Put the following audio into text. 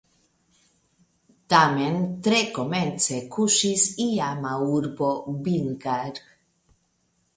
Tamen tre komence kuŝis iama urbo Bhingar.